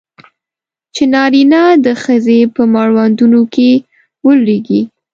چې نارینه د ښځې په مړوندونو کې ولویږي.